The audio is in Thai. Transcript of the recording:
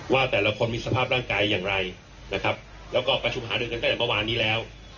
ว่าแต่ละคนมีสภาพร่างกายอย่างไรนะครับแล้วก็ประชุมหารือกันตั้งแต่เมื่อวานนี้แล้ว